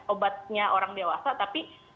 obatnya orang dewasa tapi